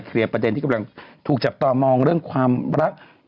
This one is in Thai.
เคลียร์ประเทศที่กำลังถูกจับต่อมองเรื่องความรัก